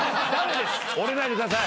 折れないでください